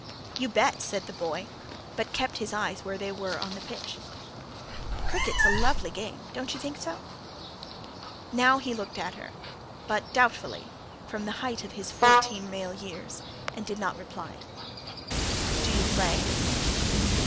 "You bet!" said the boy; but kept his eyes where they were on the pitch. "Cricket's a lovely game ... don't you think so?" Now he looked at her; but doubtfully, from the height of his fourteen male years; and did not reply. "Do you play?"